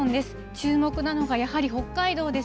注目なのがやはり北海道です。